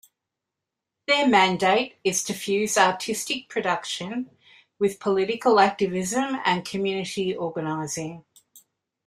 Their mandate is to fuse artistic production with political activism and community organizing.